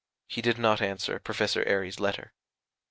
He did not answer Professor Airy's letter.